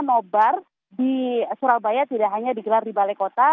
nobar di surabaya tidak hanya digelar di balai kota